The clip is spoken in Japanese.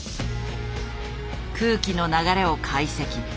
空気の流れを解析。